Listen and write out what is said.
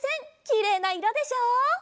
きれいないろでしょ？